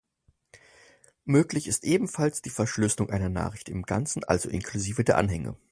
Möglich ist ebenfalls die Verschlüsselung einer Nachricht im Ganzen, also inklusive der Anhänge.